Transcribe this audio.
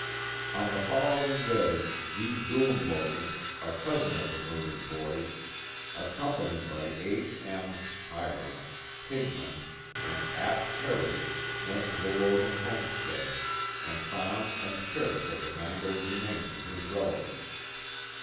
On the following day D. Boone Logan, a cousin of the murdered boys, accompanied by H. M. (Hiram) Pigman and Ap. Perry, went to the Logan homestead, and found and cared for the mangled remains of his relatives.